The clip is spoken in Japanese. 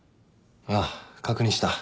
ああ確認した。